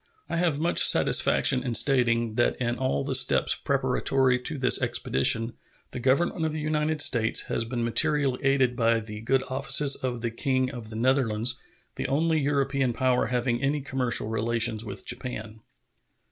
I have much satisfaction in stating that in all the steps preparatory to this expedition the Government of the United States has been materially aided by the good offices of the King of the Netherlands, the only European power having any commercial relations with Japan.